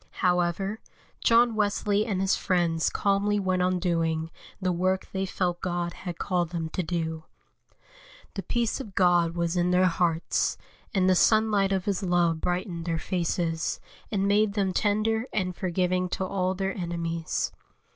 However, John Wesley and his friends calmly went on doing the work they felt God had called them to do. The peace of God was in their hearts, and the sunlight of His love brightened their faces, and made them tender and forgiving to all their enemies.